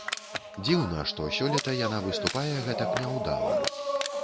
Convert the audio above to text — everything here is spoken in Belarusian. Дзіўна, што сёлета яна выступае гэтак няўдала.